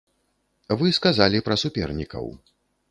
Вы сказалі пра супернікаў.